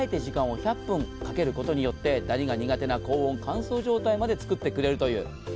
１００分かけることによってねダニが嫌いな高温、乾燥状態まで作ってくれるという。